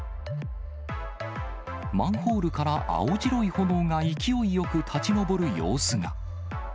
マンホールから青白い炎が勢いよく立ち上る様子が。